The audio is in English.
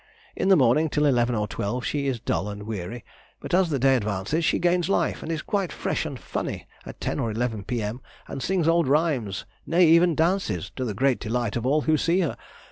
In the morning till eleven or twelve she is dull and weary, but as the day advances she gains life, and is quite "fresh and funny" at ten or eleven, p.m., and sings old rhymes, nay, even dances! to the great delight of all who see her....